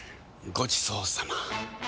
ごちそうさま！